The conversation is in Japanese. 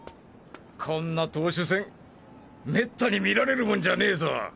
こんな投手戦めったに見られるもんじゃねぇぞ。